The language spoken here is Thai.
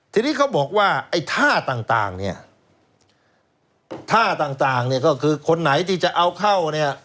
ทีนี้เขาบอกว่าไอ้ท่าต่างเนี่ยท่าต่างเนี่ยก็คือคนไหนที่จะเอาเข้าเนี่ย